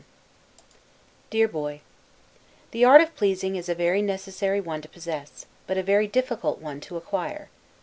1747 DEAR BOY: The art of pleasing is a very necessary one to possess; but a very difficult one to acquire.